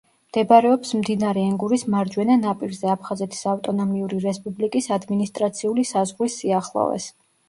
მდებარეობს მდინარე ენგურის მარჯვენა ნაპირზე, აფხაზეთის ავტონომიური რესპუბლიკის ადმინისტრაციული საზღვრის სიახლოვეს.